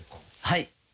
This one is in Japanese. はい。